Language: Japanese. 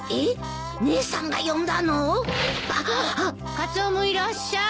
カツオもいらっしゃい。